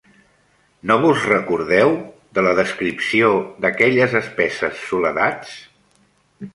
No vos recordeu de la descripció d'aquelles espesses soledats?